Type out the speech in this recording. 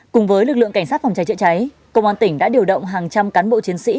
cùng với lực lượng cảnh sát phòng cháy chữa cháy công an tỉnh đã điều động hàng trăm cán bộ chiến sĩ